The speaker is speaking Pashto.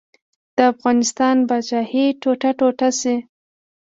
د افغانستان پاچاهي ټوټه ټوټه شي.